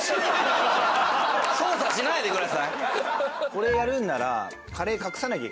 これやるんなら。